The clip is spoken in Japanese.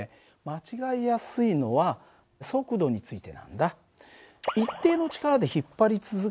間違いやすいのは速度についてなんだ。